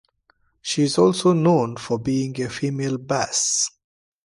She is also known for being a female bass.